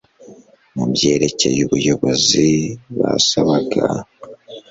mu byerekeye ubuyobozi basabaga